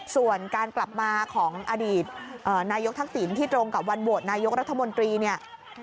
ส่วนการกลับมาของอดีตนายกทักษิณที่ตรงกับวันโหวตนายกรัฐมนตรีเนี่ย